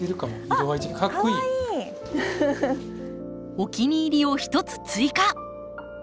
お気に入りを１つ追加！